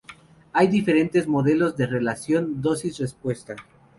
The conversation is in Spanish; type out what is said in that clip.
Hay diferentes modelos de relación dosis-respuesta.